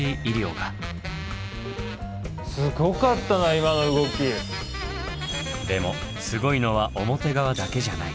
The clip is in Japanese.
そこにはでもすごいのは表側だけじゃない。